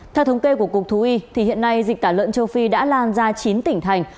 theo thống kê của cục thú y thì hiện nay dịch tả lợn châu phi đã lan ra chín tỉnh thành